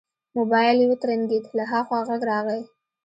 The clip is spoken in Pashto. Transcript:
موبايل يې وترنګېد له ها خوا غږ راغی.